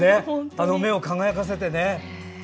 あの目を輝かせてね。